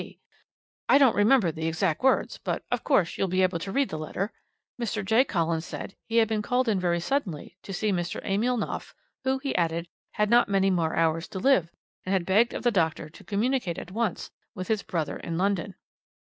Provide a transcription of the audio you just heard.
D. I don't remember the exact words, but, of course, you'll be able to read the letter Mr. J. Collins said he had been called in very suddenly to see Mr. Emile Knopf, who, he added, had not many hours to live, and had begged of the doctor to communicate at once with his brother in London.